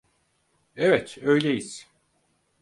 Evet, öyleyiz.